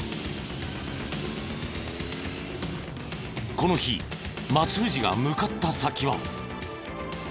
この日松藤が向かった先は。